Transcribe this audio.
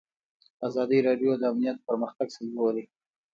ازادي راډیو د امنیت پرمختګ سنجولی.